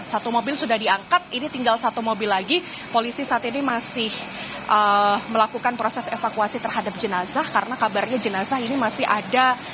satu mobil sudah diangkat ini tinggal satu mobil lagi polisi saat ini masih melakukan proses evakuasi terhadap jenazah karena kabarnya jenazah ini masih ada